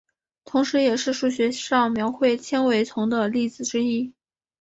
同时也是数学上描绘纤维丛的例子之一。